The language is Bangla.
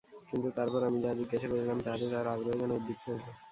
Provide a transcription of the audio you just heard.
কিন্তু তারপর আমি যাহা জিজ্ঞাসা করিলাম, তাহাতে তাঁহার আগ্রহ যেন উদ্দীপ্ত হইল।